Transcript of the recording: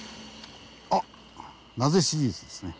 あっ「なぜ」シリーズですね。